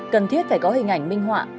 cần thiết phải có hình ảnh minh họa